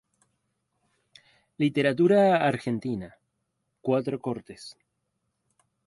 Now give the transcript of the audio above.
Literatura argentina: cuatro cortes".